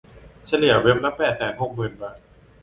เฉลี่ยเว็บละแปดแสนหกหมื่นบาท